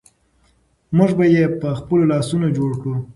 موږ به یې په خپلو لاسونو جوړ کړو.